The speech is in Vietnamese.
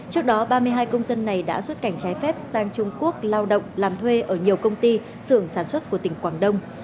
trước đó ba mươi hai công dân này đã xuất cảnh trái phép sang trung quốc lao động làm thuê ở nhiều công ty xưởng sản xuất của tỉnh quảng đông